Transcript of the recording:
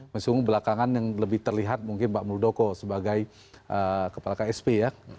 meskipun belakangan yang lebih terlihat mungkin pak muldoko sebagai kepala ksp ya